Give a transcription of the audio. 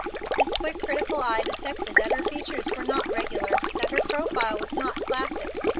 His quick, critical eye detected that her features were not regular, that her profile was not classic.